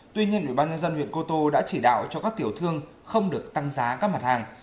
tuy nhiên ủy ban nhân dân huyện cô tô đã chỉ đạo cho các tiểu thương không được tăng giá các mặt hàng